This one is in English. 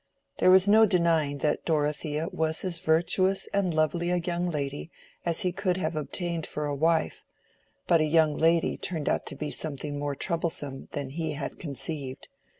There was no denying that Dorothea was as virtuous and lovely a young lady as he could have obtained for a wife; but a young lady turned out to be something more troublesome than he had conceived.